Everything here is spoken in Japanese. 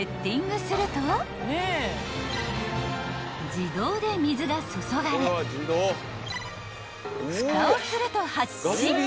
［自動で水が注がれふたをすると発進！］